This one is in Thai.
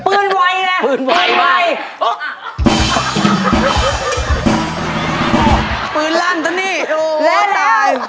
เพราะอยากช่วยเหลือคนที่ดีครับ